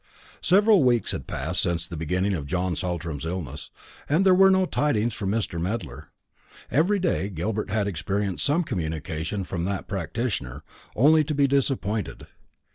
Several weeks had passed since the beginning of John Saltram's illness, and there were no tidings from Mr. Medler. Every day Gilbert had expected some communication from that practitioner, only to be disappointed.